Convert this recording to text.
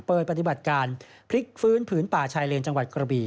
ปฏิบัติการพลิกฟื้นผืนป่าชายเลนจังหวัดกระบี่